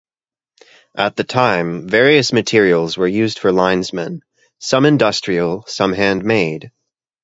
At that time, various materials were used for linesmen, some industrial, some hand-made.